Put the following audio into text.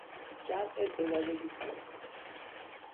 جمع تعداد بیکاران